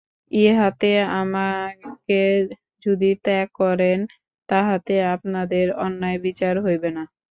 ইহাতে আমাকে যদি ত্যাগ করেন তাহাতে আপনাদের অন্যায় বিচার হইবে না।